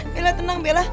bella tenang bella